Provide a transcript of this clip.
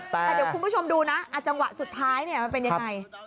แต่เดี๋ยวคุณผู้ชมดูนะจังหวะสุดท้ายมันเป็นยังไง